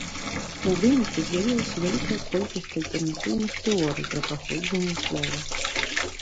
У выніку з'явілася вялікая колькасць альтэрнатыўных тэорый пра паходжанне слова.